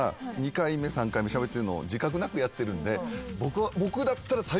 ２回目３回目しゃべってるのを自覚なくやってるんで僕だったら最後まで話してもらう。